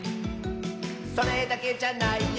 「それだけじゃないよ」